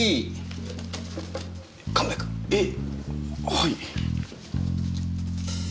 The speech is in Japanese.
はい。